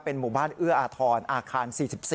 หมู่บ้านเอื้ออาทรอาคาร๔๔